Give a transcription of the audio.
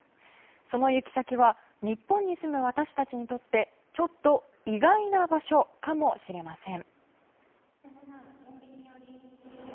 その行き先は日本に住む私たちにとってちょっと意外な場所かもしれません。